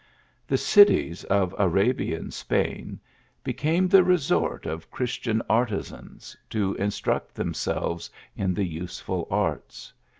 The cities of Arabian Spain became the resort of Christian artisans, to instruct themselves in the use Ail arts.